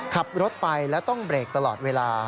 ขับรถไปแล้วต้องเบรกตลอดเวลา